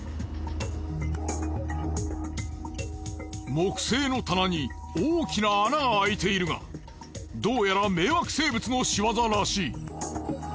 木製の棚に大きな穴が空いているがどうやら迷惑生物の仕業らしい。